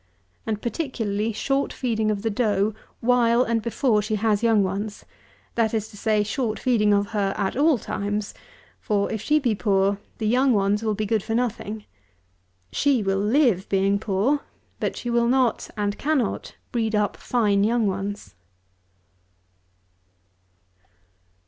And particularly short feeding of the doe, while, and before she has young ones; that is to say, short feeding of her at all times; for, if she be poor, the young ones will be good for nothing. She will live being poor, but she will not, and cannot breed up fine young ones.